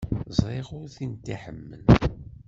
Ẓriɣ ur tent-iḥemmel.